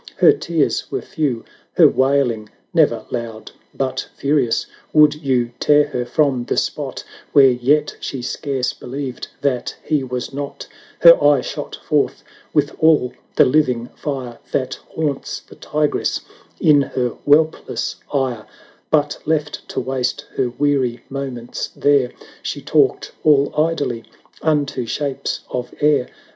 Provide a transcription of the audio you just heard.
Her tears were few, her wailing never loud; But furious, would you tear her from the spot Where yet she scarce believed that he was not, 1250 Her eye shot forth with all the living fire That haunts the tigress in her whelpless ire; But left to waste her weary moments there, She talked all idly unto shapes of air.